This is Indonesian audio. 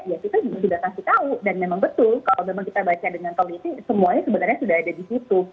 ya kita juga sudah kasih tahu dan memang betul kalau memang kita baca dengan teliti semuanya sebenarnya sudah ada di situ